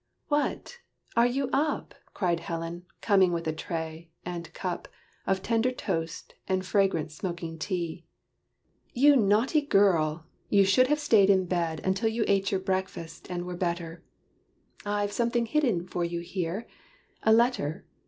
"What! are you up?" Cried Helen, coming with a tray, and cup, Of tender toast, and fragrant smoking tea. "You naughty girl! you should have stayed in bed Until you ate your breakfast, and were better I've something hidden for you here a letter.